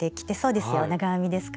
で長編みですね。